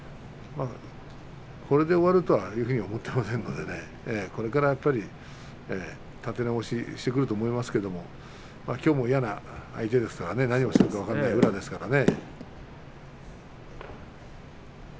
これで終わると思ってませんからこれからやっぱり立て直してくると思いますけれどきょうも嫌な相手ですからね何をしてくるか分からない宇良ですからね。